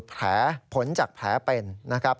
แผลผลจากแผลเป็นนะครับ